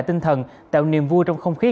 tinh thần tạo niềm vui trong không khí